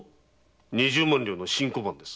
二十万両の新小判です。